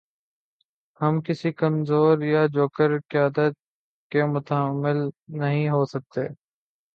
ہم کسی کمزور یا جوکر قیادت کے متحمل نہیں ہو سکتے۔